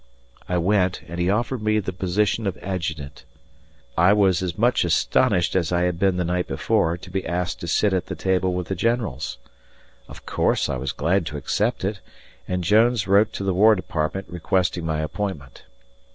I went, and he offered me the position of adjutant. I was as much astonished as I had been the night before to be asked to sit at the table with the generals. Of course I was glad to accept it, and Jones wrote to the War Department requesting my appointment.